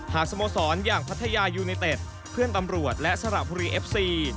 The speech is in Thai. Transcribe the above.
สโมสรอย่างพัทยายูเนเต็ดเพื่อนตำรวจและสระบุรีเอฟซี